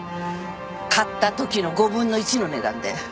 買ったときの５分の１の値段で。